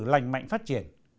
lành mạnh phát triển